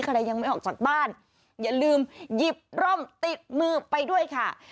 ใครยังไม่ออกจากบ้านอย่าลืมหยิบร่มติดมือไปด้วยค่ะ